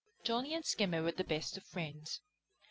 Johnny and Skimmer were the best of friends.